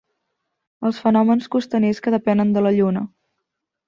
Els fenòmens costaners que depenen de la lluna.